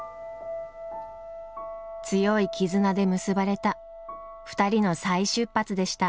強い絆で結ばれた２人の再出発でした。